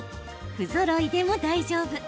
不ぞろいでも大丈夫。